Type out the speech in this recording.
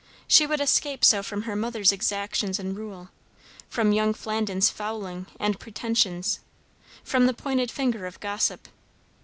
She would escape so from her mother's exactions and rule; from young Flandin's following and pretensions; from the pointed finger of gossip.